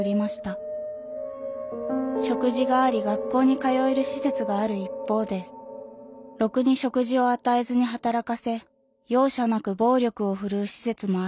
食事があり学校に通える施設がある一方でろくに食事を与えずに働かせ容赦なく暴力を振るう施設もあったそうです